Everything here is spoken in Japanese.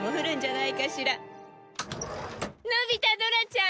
のび太ドラちゃん